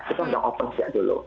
kita sudah open sejak dulu